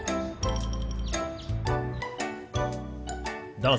どうぞ。